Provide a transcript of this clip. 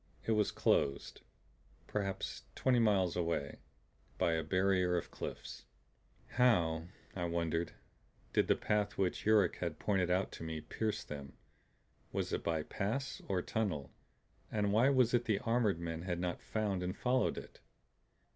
It was closed, perhaps twenty miles away, by a barrier of cliffs. How, I wondered, did the path which Yuruk had pointed out to me pierce them? Was it by pass or tunnel; and why was it the armored men had not found and followed it?